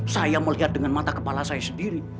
saya melihat dengan mata kepala saya sendiri